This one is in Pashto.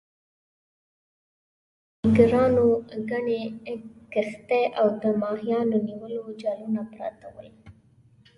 په لنګر کې د ماهیګیرانو ګڼې کښتۍ او د ماهیانو نیولو جالونه پراته ول.